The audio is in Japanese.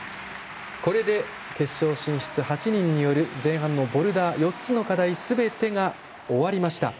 これで、決勝進出８人による前半のボルダー、４つの課題すべて終わりました。